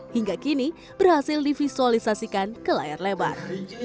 hingga kini berhasil divisualisasikan ke layar lebar